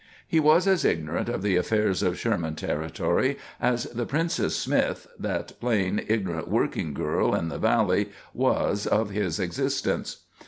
He was as ignorant of the affairs of Sherman Territory as the Princess Smith, that plain, ignorant working girl in the valley, was of his existence.